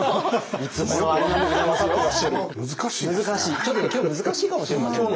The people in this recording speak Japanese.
ちょっと今日難しいかもしれませんね。